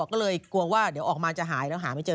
ก็เลยกลัวว่าเดี๋ยวออกมาจะหายแล้วหาไม่เจอ